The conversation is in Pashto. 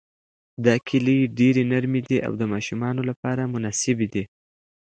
دا کیلې ډېرې نرمې دي او د ماشومانو لپاره مناسبې دي.